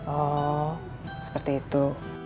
oh seperti itu